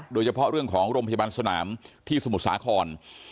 โดยเฉพาะเรื่องของโรงพยาบาลสนามที่สมุทรสาคร